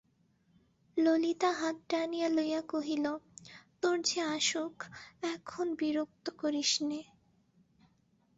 ললিতা হাত টানিয়া লইয়া কহিল, তোর যে আসুক এখন বিরক্ত করিস নে।